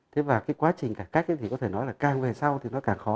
thế và cái quá trình cải cách thì có thể nói là càng về sau thì nó càng khó